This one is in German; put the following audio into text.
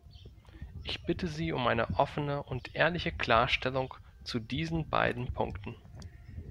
Ich bitte Sie um eine offene und ehrliche Klarstellung zu diesen beiden Punkten.